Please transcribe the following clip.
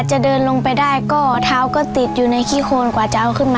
หนูก็เสียใจค่ะที่ไม่มีพ่อมีแม่เหมือนเพื่อนค่ะ